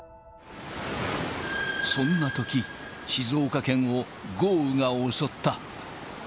そんなとき、静岡県を豪雨が襲った。